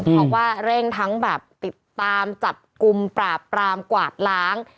เพราะว่าเร่งทั้งแบบติดตามจับกลุ่มปราบปรามกวาดล้าง